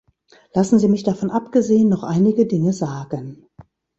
Lassen Sie mich davon abgesehen noch einige Dinge sagen.